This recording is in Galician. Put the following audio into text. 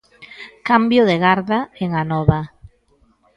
Cambio de garda en Anova.